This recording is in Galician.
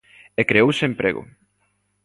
E creouse emprego.